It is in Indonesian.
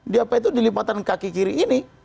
di apa itu di lipatan kaki kiri ini